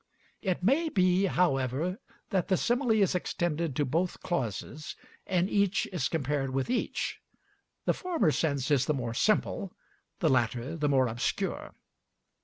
It may be, however, that the simile is extended to both clauses, and each is compared with each. The former sense is the more simple, the latter the more obscure.